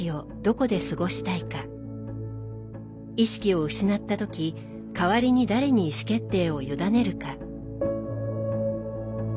意識を失った時代わりに誰に意思決定を委ねるか。